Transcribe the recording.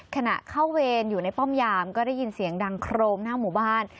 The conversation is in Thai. ขณะเข้าเวรอยู่ในป้อมยามก็ได้ยินเสียงดังโครมหน้าหมู่บ้าน